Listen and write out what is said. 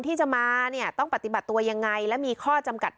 ที่จะมาเนี่ยต้องปฏิบัติตัวยังไงและมีข้อจำกัด